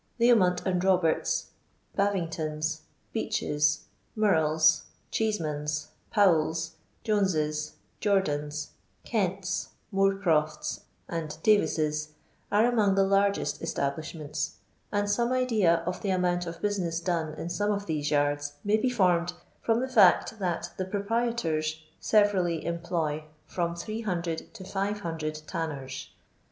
Leomont and Roberts's, Baving tons'. Beech's, Murrell's, Cheeseman's, Powell's, Jones's, Jourdans', Kent's, Moorcroft's, and Davis's, are among the largest establishments, and some idea of the amount of business done in some of these yards may be formed from the fiurt, that the proprietors severally employ from 300 to 500 tan ners.